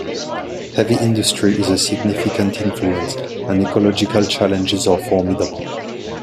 Heavy industry is a significant influence, and ecological challenges are formidable.